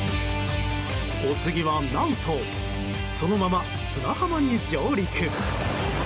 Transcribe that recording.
お次は何とそのまま砂浜に上陸！